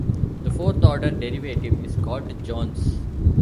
The fourth order derivative is called jounce.